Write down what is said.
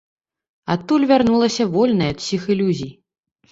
Адтуль вярнулася вольнай ад усіх ілюзій.